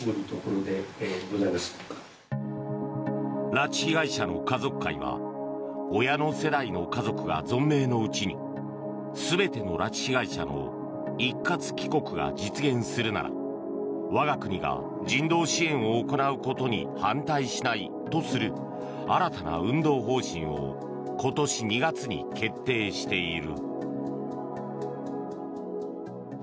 拉致被害者の家族会は親の世代の家族が存命のうちに全ての拉致被害者の一括帰国が実現するなら我が国が人道支援を行うことに反対しないとする新たな運動方針を今年２月に決定している。